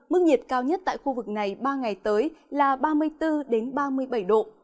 mức nhiệt cao nhất tại khu vực này ba ngày tới là ba mươi bốn ba mươi bảy độ